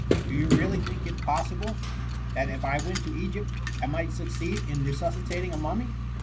Do you really think it possible, that if I went to Egypt, I might succeed in resuscitating a mummy